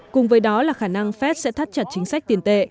cùng với đó là khả năng fed sẽ thắt chặt chính sách tiền tệ